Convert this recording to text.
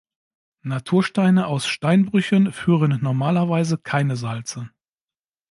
Natursteine aus Steinbrüchen führen normalerweise keine Salze.